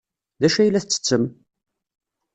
D acu ay la tettettem?